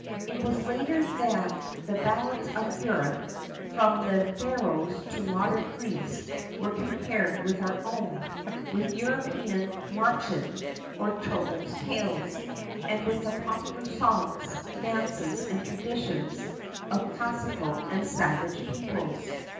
It was later that the ballads of Europe, from the Faroes to Modern Greece, were compared with our own, with European Märchen, or children's tales, and with the popular songs, dances, and traditions of classical and savage peoples.